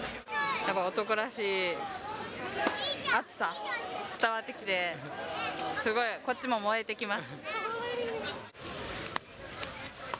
やっぱ男らしい熱さ伝わってきて、すごい、こっちも燃えてきます。